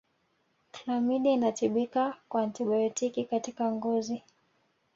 Klamidia inatibika kwa antibaotiki katika ngozi